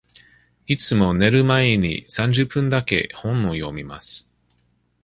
いつも寝る前に三十分だけ本を読みます。